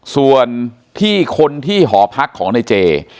ส่วนที่คนที่หอพักของในเจ